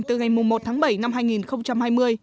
từ ngày một tháng bảy năm hai nghìn hai mươi